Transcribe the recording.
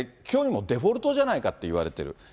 きょうにもデフォルトじゃないかっていわれてる。